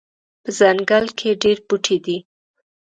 په ځنګل کې ډیر بوټي دي